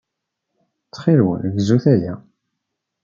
Ttxil-wen, gzut aya.